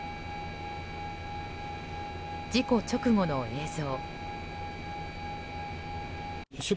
事故直後の映像。